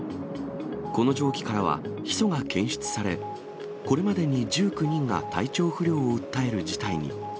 この蒸気からはヒ素が検出され、これまでに１９人が体調不良を訴える事態に。